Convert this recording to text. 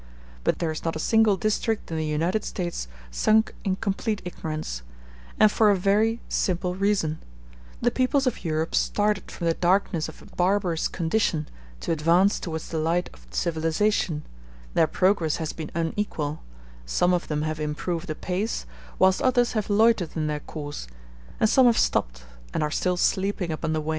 But there is not a single district in the United States sunk in complete ignorance; and for a very simple reason: the peoples of Europe started from the darkness of a barbarous condition, to advance toward the light of civilization; their progress has been unequal; some of them have improved apace, whilst others have loitered in their course, and some have stopped, and are still sleeping upon the way.